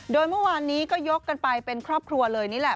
โดยเมื่อวานนี้ก็ยกกันไปเป็นครอบครัวเลยนี่แหละ